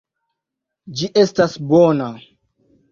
Ĝi estas bona.